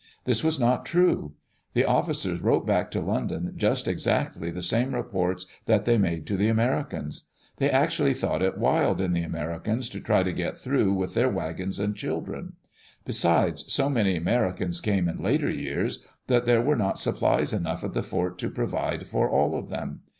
This was not true. [The officers wrote back to London just exactly the same reports that they made to the Ameri cans. They actually thought it wild in the Americans to try to get through with their wagons and children. Be sides, so many Americans came in later years that there were not supplies enough at the fort to provide for all of them.